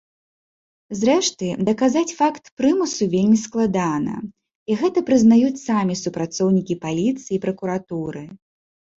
Зрэшты, даказаць факт прымусу вельмі складана, і гэта прызнаюць самі супрацоўнікі паліцыі і пракуратуры.